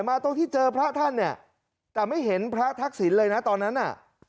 ตรงที่เจอพระท่านเนี่ยแต่ไม่เห็นพระทักษิณเลยนะตอนนั้นน่ะ